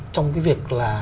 trong cái việc là